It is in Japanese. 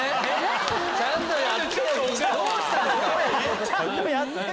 ちゃんとやってる！